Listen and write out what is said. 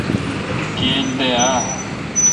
گیل دے اؘ۔